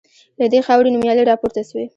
له دې خاوري نومیالي راپورته سوي